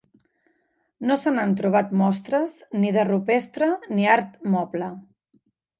No se n'han trobat mostres ni de rupestre ni art moble.